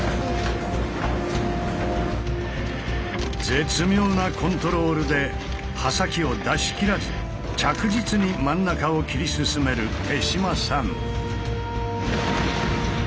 絶妙なコントロールで刃先を出しきらず着実に真ん中を切り進める手嶋さん。